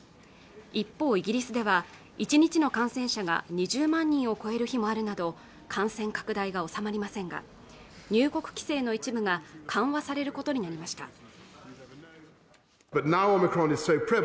一方イギリスでは１日の感染者が２０万人を超える日もあるなど感染拡大が収まりませんが入国規制の一部が緩和されることになりました